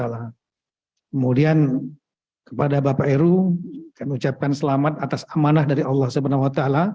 kemudian kepada bapak heru kami ucapkan selamat atas amanah dari allah swt